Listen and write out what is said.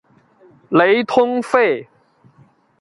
雷通费。